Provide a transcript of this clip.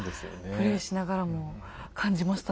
プレイしながらも感じましたね。